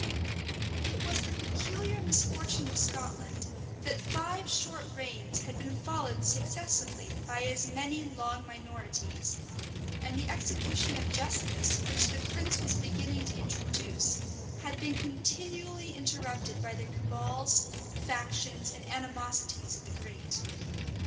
It was the peculiar misfortune of Scotland, that five short reigns had been followed successively by as many long minorities; and the execution of justice, which the prince was beginning to introduce, had been continually interrupted by the cabals, factions, and animosities of the great.